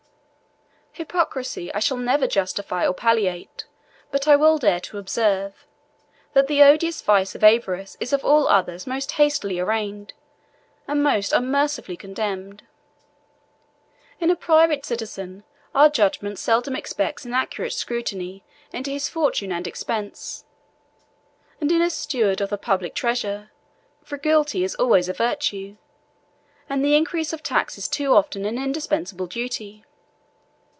Hypocrisy I shall never justify or palliate; but I will dare to observe, that the odious vice of avarice is of all others most hastily arraigned, and most unmercifully condemned. In a private citizen, our judgment seldom expects an accurate scrutiny into his fortune and expense; and in a steward of the public treasure, frugality is always a virtue, and the increase of taxes too often an indispensable duty.